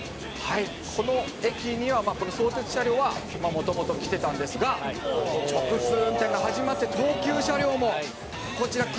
「この駅にはこの相鉄車両はもともと来てたんですが直通運転が始まって東急車両もこちら来るようになりました」